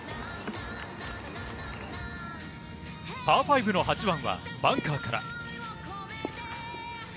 パー５の８番はバンカーから。